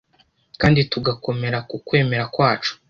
kandi tugakomera ku kwemera kwacu